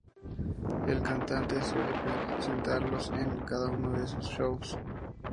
El cantante suele presentarlos en cada uno de sus shows.